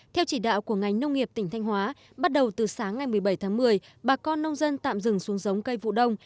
theo chỉ đạo của ngành nông nghiệp tỉnh thanh hóa bắt đầu từ sáng ngày một mươi bảy tháng một mươi bà con nông dân tạm dừng xuống giống cây vụ đông